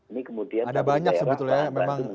ini kemudian ada banyak sebetulnya memang